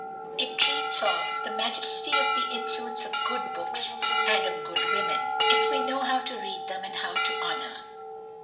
It treats of "the majesty of the influence of good books and of good women, if we know how to read them and how to honour."